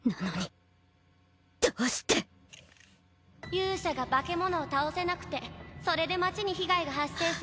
「勇者が化け物を倒せなくてそれで街に被害が発生するんだと」。